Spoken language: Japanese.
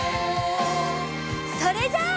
それじゃあ。